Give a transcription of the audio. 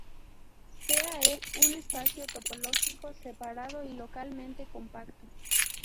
Sea E un espacio topológico separado y localmente compacto.